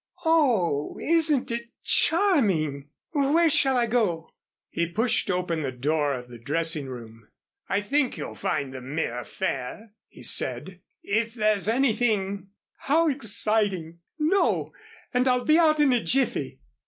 Oh, isn't it charming! Where shall I go?" He pushed open the door of the dressing room. "I think you'll find the mirror fair," he said. "If there's anything " "How exciting! No. And I'll be out in a jiffy."